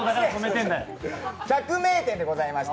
百名店でございました。